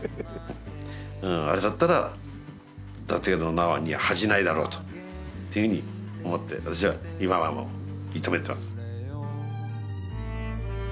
あれだったら伊達の名に恥じないだろうというふうに思って私は今はもう認めてます。